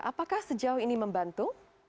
apakah sejauh ini membantu